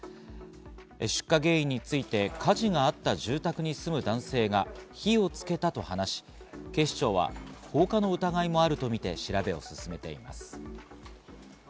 出火原因について火事があった住宅に住む男性が火をつけたと話し、警視庁は放火の疑いもあるとみて調べを進めています。